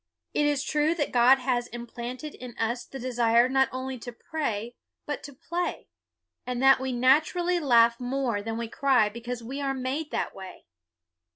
It is true that God has implanted in us the desire not only to pray but to play, and that we 260 BUNYAN naturally laugh more than we cry because we are made that way.